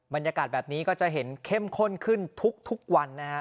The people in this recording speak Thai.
บรรยากาศแบบนี้ก็จะเห็นเข้มข้นขึ้นทุกวันนะฮะ